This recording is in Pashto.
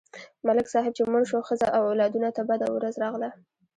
ملک صاحب چې مړ شو، ښځه او اولادونه ته بده ورځ راغله.